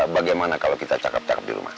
bagaimana kalau kita cakep cakep di rumah